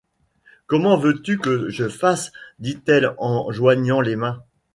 Comment veux-tu que je fasse ? dit-elle en joignant les mains.